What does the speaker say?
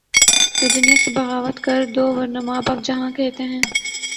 تو دنیا سے بغاوت کر دوورنہ ماں باپ جہاں کہتے ہیں۔